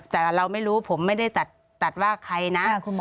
แต่เราไม่รู้ผมไม่ได้ตัดว่าใครนะ